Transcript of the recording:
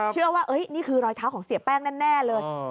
เชื่อว่านี่คือรอยเท้าของเสียแป้งแน่เลย